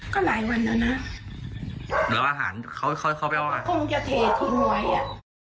ก็หลายวันแล้วนะแล้วอาหารเขาเขาเข้าไปเอามาคงจะเททินไว้อ่ะ